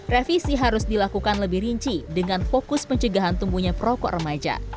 revisi harus dilakukan lebih rinci dengan fokus pencegahan tumbuhnya perokok remaja